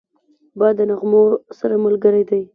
باد د نغمو سره ملګری دی